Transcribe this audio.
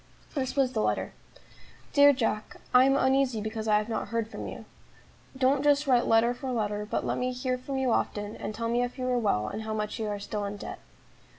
This was the letter: "DEAR JACK, "I am uneasy because I have not heard from you. Don't just write letter for letter, but let me hear from you often, and tell me if you are well, and how much you are still in debt.